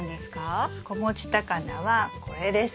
子持ちタカナはこれです。